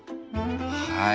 はい。